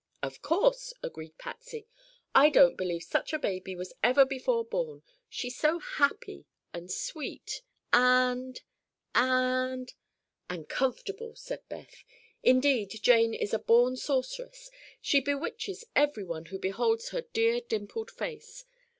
"Of course," agreed Patsy. "I don't believe such a baby was ever before born. She's so happy, and sweet, and—and—" "And comfortable," said Beth. "Indeed, Jane is a born sorceress; she bewitches everyone who beholds her dear dimpled face.